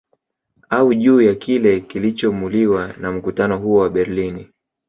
Au juu ya Kile kilichomuliwa na mkutano huo wa Berlini